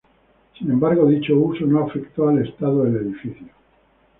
Sin embargo, dicho uso no afectó el estado del edificio.